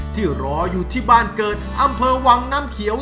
ที่รออยู่ที่บ้านเกิดอำเภอวังน้ำเขียว